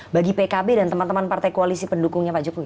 bagi pkb dan teman teman partai koalisi pendukungnya pak jokowi